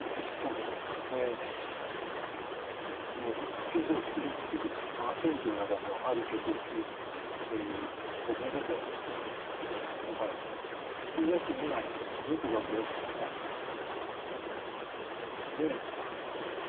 その１曲を作るってその「ａｓｙｎｃ」の中のある曲を作るという事は僕にとってはそういう事でだから作り出してみないとどこがゴールか分かんないんです。